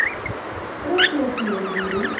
Pro kio tiel, diru?